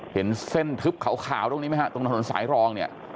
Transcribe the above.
เห็นเส้นทึบขาวตรงนี้ไหมฮะตรงถนนสายรองเนี่ย